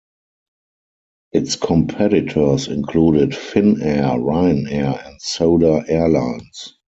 Its competitors included Finnair, Ryanair and Soder Airlines.